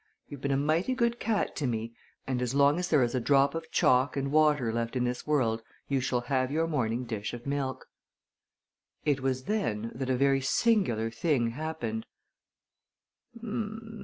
You've been a mighty good cat to me, and as long as there is a drop of chalk and water left in this world you shall have your morning dish of milk." It was then that a very singular thing happened.